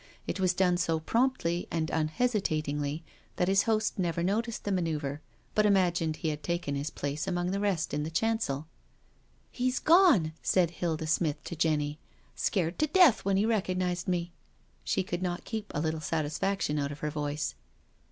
It was done so promptly and unhesitatingly that his host never noticed the manoeuvre, but imagined he had taken his place among the rest in the chancel. " He's gone," said Hilda Smith to Jenny. " Scared to death when he recognised me." She could not keep a little satisfaction out of her voice.